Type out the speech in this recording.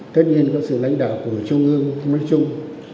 tất nhiên có sự lãnh đạo của trung ương công an trung